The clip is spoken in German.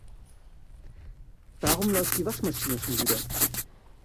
Warum läuft die Waschmaschine schon wieder?